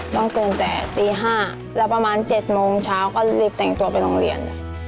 ต้องตื่นแต่ตี๕แล้วประมาณ๗โมงเช้าก็รีบแต่งตัวไปโรงเรียน